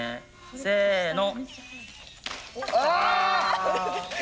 せの。